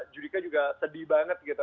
judika juga sedih banget gitu